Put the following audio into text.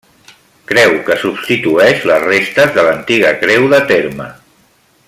Creu que substitueix les restes de l'antiga creu de terme.